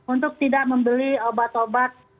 untuk tidak membeli obat obat